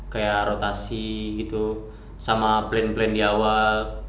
kayak rotasi gitu sama plan plan di awal